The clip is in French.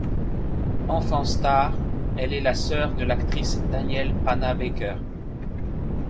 Enfant star, elle est la sœur de l'actrice Danielle Panabaker.